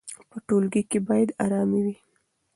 په ټولګي کې باید ارامي وي.